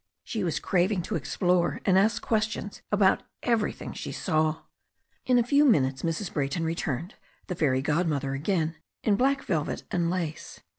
She was craving to explore and ask questions about everything she saw. In a few minutes Mrs. Brayton returned, the fairy god mother again, in black velvet and lace.